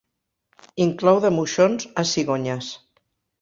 Inclou de moixons a cigonyes.